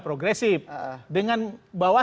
progresif dengan bahwa